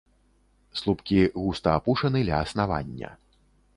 Слупкі густа апушаны ля аснавання.